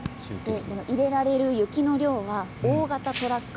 入れられる雪の量は大型トラック